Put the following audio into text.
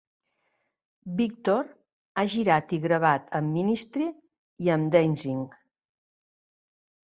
Victor ha girat i gravat amb Ministry i amb Danzig.